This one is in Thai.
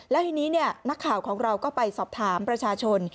แล้วทีนี้นักข่าวของเราก็ไปสอบถามประชาชน